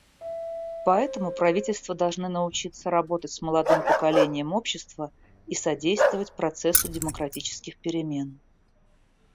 Поэтому правительства должны научиться работать с молодым поколением общества и содействовать процессу демократических перемен.